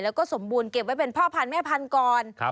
แล้วก็สมบูรณ์เก็บไว้เป็นพ่อพันธุ์แม่พันธุ์ก่อน